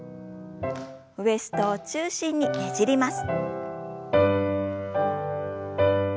ウエストを中心にねじります。